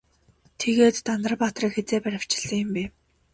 Тэгээд Дандар баатрыг хэзээ баривчилсан юм бэ?